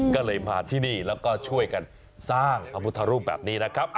ก็เลยมาที่นี่แล้วก็ช่วยกันสร้างพระพุทธรูปแบบนี้นะครับ